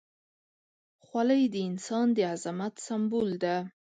خولۍ د انسان د عظمت سمبول ده.